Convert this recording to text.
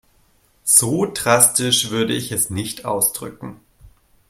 So drastisch würde ich es nicht ausdrücken.